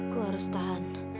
gue harus tahan